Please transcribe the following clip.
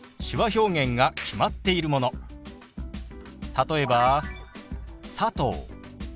例えば「佐藤」。